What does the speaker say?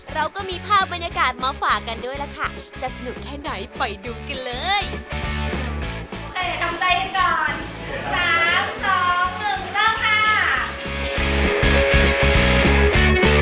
เราก็มีภาพบรรยากาศมาฝากกันด้วยล่ะค่ะจะสนุกแค่ไหนไปดูกันเลย